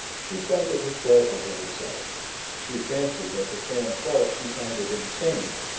She sounded hysterical to herself; she fancied that to Sam Clark she sounded insane.